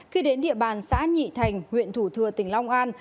khi đến địa bàn xã nhị thành huyện thủ thừa tỉnh long an